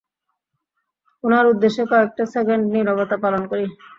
উনার উদ্দেশ্যে কয়েকটা সেকেন্ড নীরবতা পালন করি?